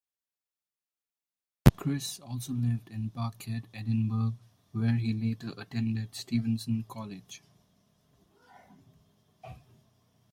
Chris also lived in Parkhead, Edinburgh where he later attended Stevenson College.